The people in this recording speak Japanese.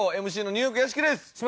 ＭＣのニューヨーク屋敷です。